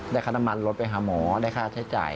ค่าน้ำมันรถไปหาหมอได้ค่าใช้จ่าย